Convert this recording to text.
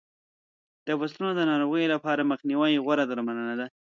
د فصلونو د ناروغیو لپاره مخنیوی غوره درملنه ده.